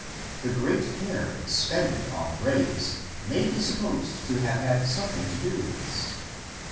The great care expended on graves may be supposed to have had something to do with this.